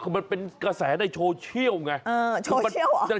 มันเป็นกระแสในโชเช่ลโชเช่ลเหรอ